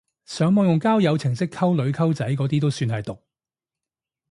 上網用交友程式溝女溝仔嗰啲都算係毒！